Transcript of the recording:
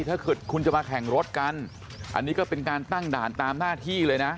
ถ้าเกิดคุณจะมาแข่งรถกันอันนี้ก็เป็นการตั้งด่านตามหน้าที่เลยนะ